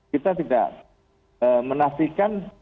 kita tidak menafikan